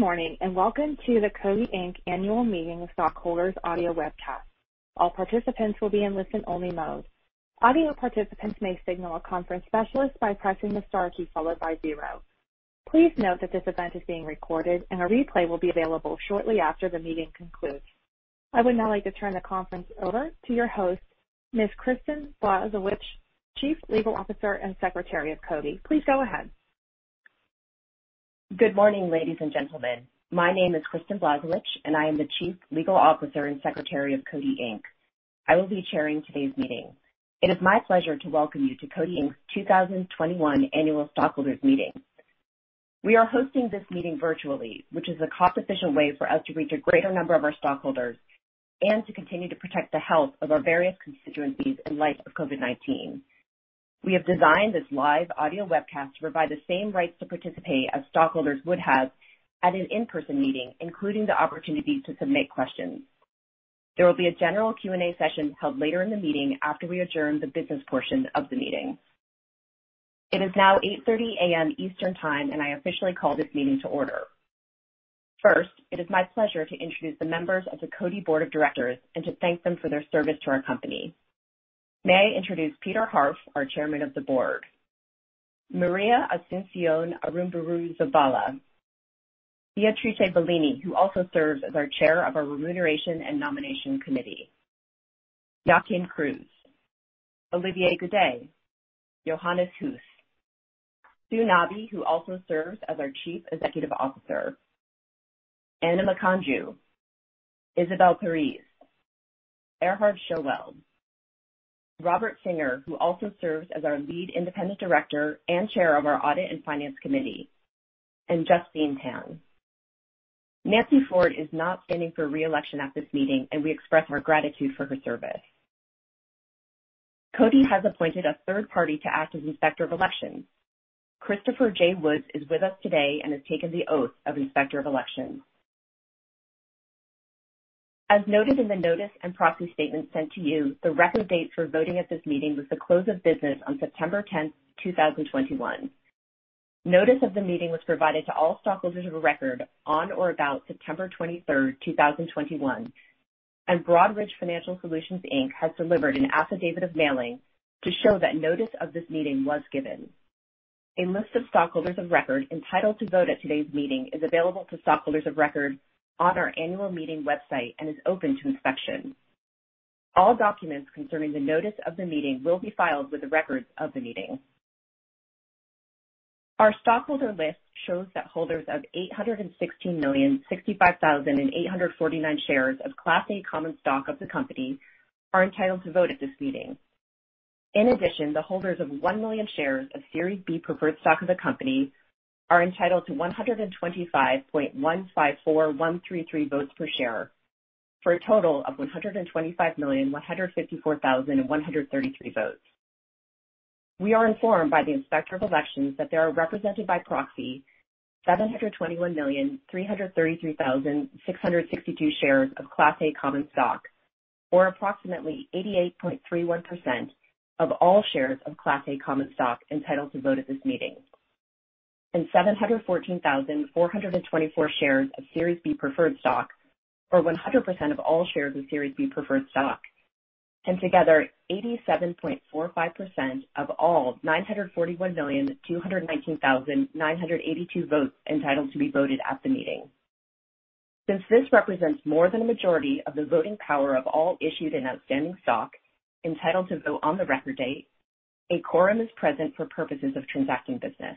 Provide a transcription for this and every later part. Good morning, and welcome to the Coty Inc. Annual Meeting of Stockholders audio webcast. All participants will be in listen-only mode. Audio participants may signal a conference specialist by pressing the star key followed by zero. Please note that this event is being recorded and a replay will be available shortly after the meeting concludes. I would now like to turn the conference over to your host, Ms. Kristin Blazewicz, Chief Legal Officer and Secretary of Coty. Please go ahead. Good morning, ladies and gentlemen. My name is Kristin Blazewicz, and I am the Chief Legal Officer and Secretary of Coty Inc. I will be chairing today's meeting. It is my pleasure to welcome you to Coty Inc.'s 2021 Annual Stockholders Meeting. We are hosting this meeting virtually, which is a cost-efficient way for us to reach a greater number of our stockholders and to continue to protect the health of our various constituencies in light of COVID-19. We have designed this live audio webcast to provide the same rights to participate as stockholders would have at an in-person meeting, including the opportunity to submit questions. There will be a general Q&A session held later in the meeting after we adjourn the business portion of the meeting. It is now 8:30 A.M. Eastern Time, and I officially call this meeting to order. First, it is my pleasure to introduce the members of the Coty Board of Directors and to thank them for their service to our company. May I introduce Peter Harf, our Chairman of the Board, María Asunción Aramburuzabala, Beatrice Ballini, who also serves as our Chair of our Remuneration and Nomination Committee, Joachim Creus, Olivier Goudet, Johannes Huth, Sue Nabi, who also serves as our Chief Executive Officer, Anna Makanju, Isabelle Parize, Erhard Schoewel, Robert Singer, who also serves as our Lead Independent Director and Chair of our Audit and Finance Committee, and Justine Tan. Nancy Ford is not standing for re-election at this meeting, and we express our gratitude for her service. Coty has appointed a third party to act as Inspector of Elections. Christopher J. Woods is with us today and has taken the oath of Inspector of Elections. As noted in the notice and proxy statement sent to you, the record date for voting at this meeting was the close of business on September 10th, 2021. Notice of the meeting was provided to all stockholders of record on or about September 23rd, 2021, and Broadridge Financial Solutions, Inc. has delivered an affidavit of mailing to show that notice of this meeting was given. A list of stockholders of record entitled to vote at today's meeting is available to stockholders of record on our annual meeting website and is open to inspection. All documents concerning the notice of the meeting will be filed with the records of the meeting. Our stockholder list shows that holders of 816,065,849 shares of Class A common stock of the company are entitled to vote at this meeting. In addition, the holders of 1 million shares of Series B Preferred Stock of the company are entitled to 125.154133 votes per share, for a total of 125,154,133 votes. We are informed by the Inspector of Elections that they are represented by proxy 721,333,662 shares of Class A common stock, or approximately 88.31% of all shares of Class A common stock entitled to vote at this meeting. 714,424 shares of Series B Preferred Stock, or 100% of all shares of Series B Preferred Stock, and together 87.45% of all 941,219,982 votes entitled to be voted at the meeting. Since this represents more than a majority of the voting power of all issued and outstanding stock entitled to vote on the record date, a quorum is present for purposes of transacting business.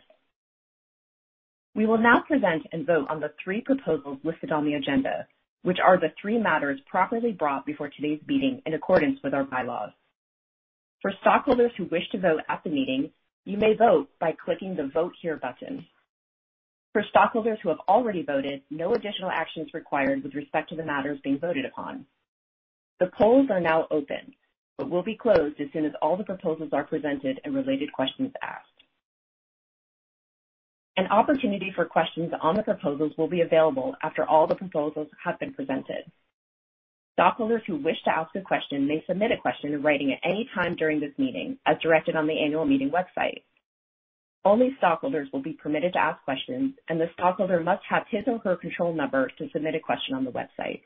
We will now present and vote on the three proposals listed on the agenda, which are the three matters properly brought before today's meeting in accordance with our bylaws. For stockholders who wish to vote at the meeting, you may vote by clicking the Vote Here button. For stockholders who have already voted, no additional action is required with respect to the matters being voted upon. The polls are now open but will be closed as soon as all the proposals are presented and related questions asked. An opportunity for questions on the proposals will be available after all the proposals have been presented. Stockholders who wish to ask a question may submit a question in writing at any time during this meeting, as directed on the annual meeting website. Only stockholders will be permitted to ask questions, and the stockholder must have his or her control number to submit a question on the website.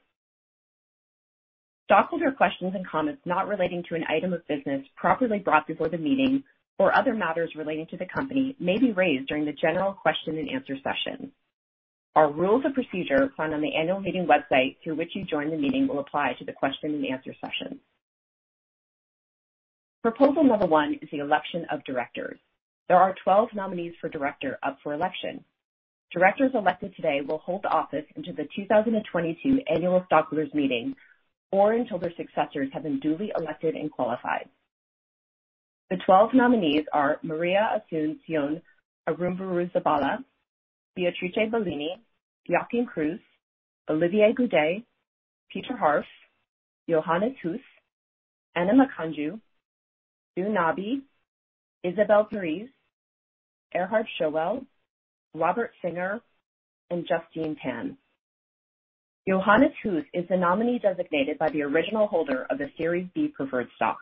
Stockholder questions and comments not relating to an item of business properly brought before the meeting or other matters relating to the company may be raised during the general question and answer session. Our rules of procedure found on the annual meeting website through which you join the meeting will apply to the question-and-answer session. Proposal number 1 is the election of directors. There are 12 nominees for director up for election. Directors elected today will hold office until the 2022 Annual Stockholders Meeting or until their successors have been duly elected and qualified. The 12 nominees are María Asunción Aramburuzabala, Beatrice Ballini, Joachim Creus, Olivier Goudet, Peter Harf, Johannes Huth, Anna Makanju, Sue Nabi, Isabelle Parize, Erhard Schoewel, Robert Singer, and Justine Tan. Johannes Huth is the nominee designated by the original holder of the Series B Preferred Stock.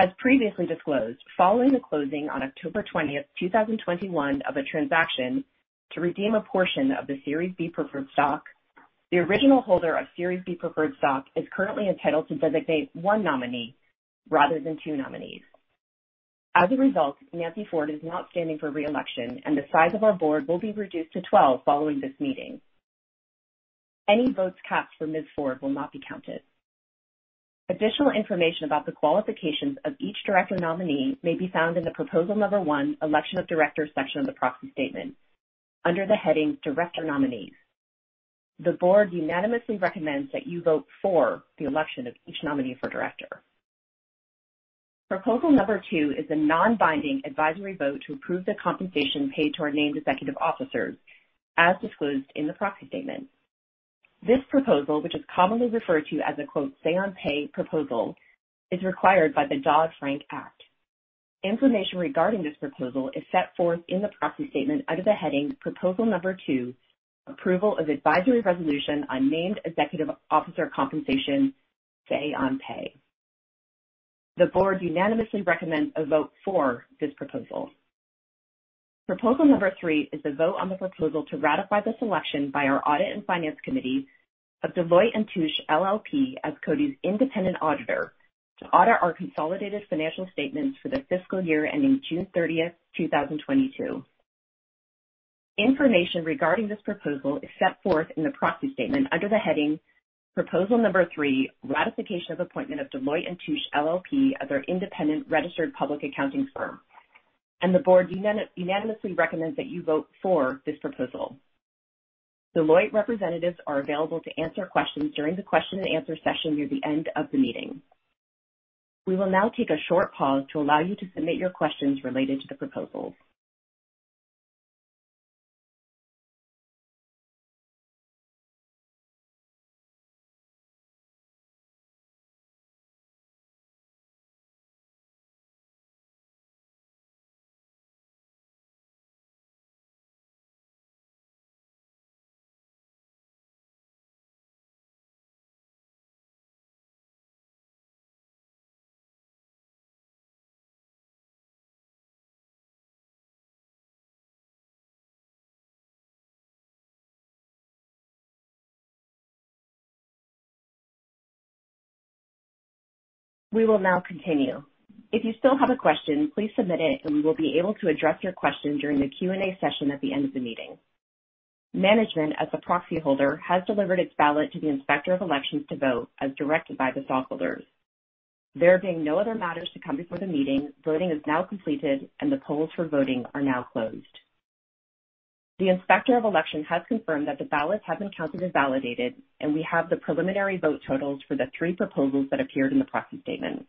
As previously disclosed, following the closing on October 20th, 2021 of a transaction to redeem a portion of the Series B Preferred Stock, the original holder of Series B Preferred Stock is currently entitled to designate one nominee rather than two nominees. As a result, Nancy Ford is not standing for re-election, and the size of our Board will be reduced to 12 following this meeting. Any votes cast for Ms. Ford will not be counted. Additional information about the qualifications of each director nominee may be found in the Proposal Number One, Election of Directors section of the proxy statement under the heading Director Nominees. The Board unanimously recommends that you vote for the election of each nominee for director. Proposal Number Two is a non-binding advisory vote to approve the compensation paid to our named executive officers as disclosed in the proxy statement. This proposal, which is commonly referred to as a, quote, say on pay proposal, is required by the Dodd-Frank Act. Information regarding this proposal is set forth in the proxy statement under the heading Proposal Number Two: Approval of Advisory Resolution on Named Executive Officer Compensation, say on pay. The board unanimously recommends a vote for this proposal. Proposal Number Three is the vote on the proposal to ratify the selection by our Audit and Finance Committee of Deloitte & Touche LLP as Coty's independent auditor to audit our consolidated financial statements for the fiscal year ending June 30th, 2022. Information regarding this proposal is set forth in the proxy statement under the heading Proposal Number Three: Ratification of Appointment of Deloitte & Touche LLP as our independent registered public accounting firm. The board unanimously recommends that you vote for this proposal. Deloitte representatives are available to answer questions during the question-and-answer session near the end of the meeting. We will now take a short pause to allow you to submit your questions related to the proposals. We will now continue. If you still have a question, please submit it, and we will be able to address your question during the Q&A session at the end of the meeting. Management as the proxy holder has delivered its ballot to the Inspector of Elections to vote as directed by the stockholders. There being no other matters to come before the meeting, voting is now completed, and the polls for voting are now closed. The Inspector of Elections has confirmed that the ballots have been counted and validated, and we have the preliminary vote totals for the three proposals that appeared in the proxy statement.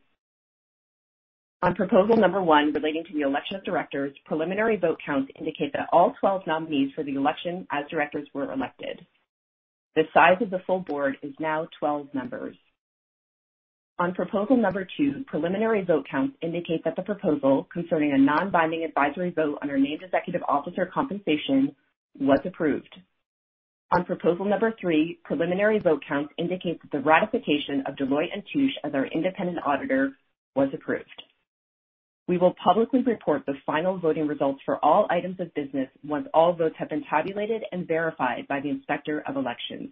On Proposal One relating to the election of directors, preliminary vote counts indicate that all 12 nominees for the election as directors were elected. The size of the full board is now 12 members. On Proposal Two, preliminary vote counts indicate that the proposal concerning a non-binding advisory vote on our named executive officer compensation was approved. On Proposal Three, preliminary vote counts indicate that the ratification of Deloitte & Touche as our independent auditor was approved. We will publicly report the final voting results for all items of business once all votes have been tabulated and verified by the Inspector of Elections.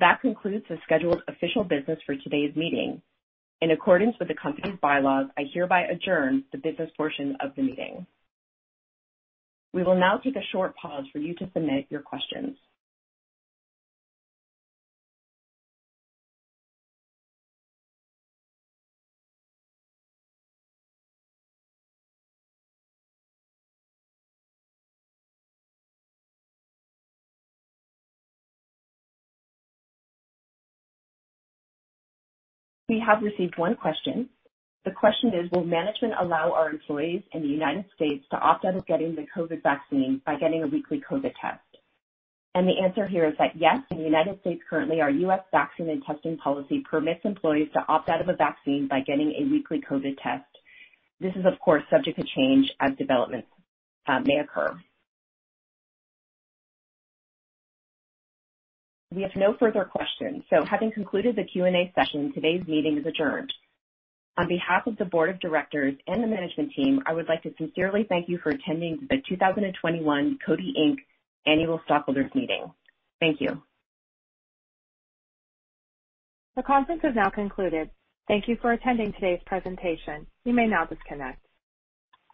That concludes the scheduled official business for today's meeting. In accordance with the company's bylaws, I hereby adjourn the business portion of the meeting. We will now take a short pause for you to submit your questions. We have received one question. The question is, will management allow our employees in the United States to opt out of getting the COVID vaccine by getting a weekly COVID test? The answer here is that yes, in the United States currently, our U.S. vaccine and testing policy permits employees to opt out of a vaccine by getting a weekly COVID test. This is, of course, subject to change as developments may occur. We have no further questions. Having concluded the Q&A session, today's meeting is adjourned. On behalf of the board of directors and the management team, I would like to sincerely thank you for attending the 2021 Coty, Inc. Annual Stockholders' Meeting. Thank you. The conference has now concluded. Thank you for attending today's presentation. You may now disconnect.